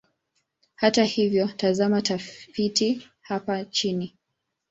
Hata hivyo, tazama tafiti hapa chini.